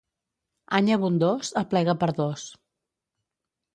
Any abundós, aplega per dos.